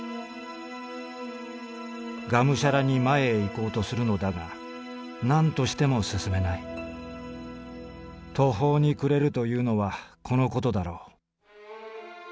「がむしゃらに前へ行こうとするのだが何としても進めない途方に暮れるというのはこのことだろう。